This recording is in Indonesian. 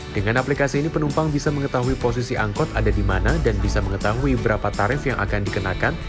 dengan aplikasi ini penumpang bisa mengetahui posisi angkot ada di mana dan bisa mengetahui berapa tarif yang akan dikenakan